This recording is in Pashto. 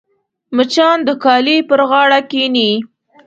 مچان د کالي پر غاړه کښېني